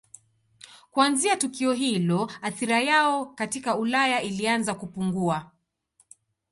Kuanzia tukio hilo athira yao katika Ulaya ilianza kupungua.